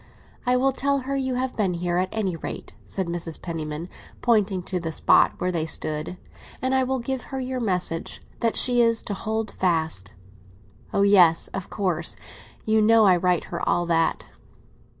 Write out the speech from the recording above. "I will tell her you have been here, at any rate," said Mrs. Penniman, pointing to the spot where they stood; "and I will give her your message—that she is to hold fast!" "Oh, yes! of course. You know I write her all that."